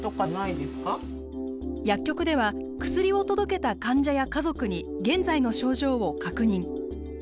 薬局では薬を届けた患者や家族に現在の症状を確認。